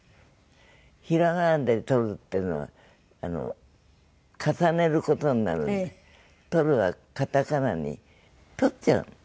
ひらがなで「とる」っていうのは重ねる事になるので「トル」はカタカナにとっちゃうの！